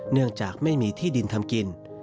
เนื่องจากไม่มีที่ดินทำกิน